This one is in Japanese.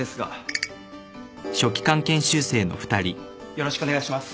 よろしくお願いします。